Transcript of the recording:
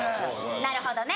なるほどね。